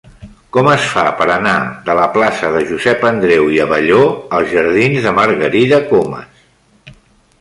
Com es fa per anar de la plaça de Josep Andreu i Abelló als jardins de Margarida Comas?